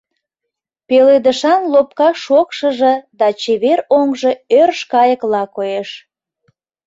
Пеледышан лопка шокшыжо да чевер оҥжо ӧрш кайыкла коеш.